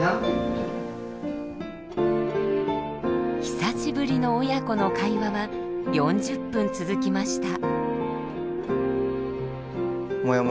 久しぶりの親子の会話は４０分続きました。